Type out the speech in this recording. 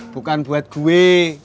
bukan buat gue